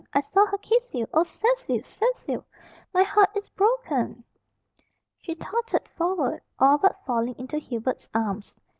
I saw her kiss you. Oh, Cecil! Cecil! my heart is broken!" She tottered forward, all but falling into Hubert's arms.